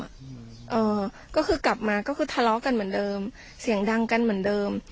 เอ่อก็คือกลับมาก็คือทะเลาะกันเหมือนเดิมเสียงดังกันเหมือนเดิม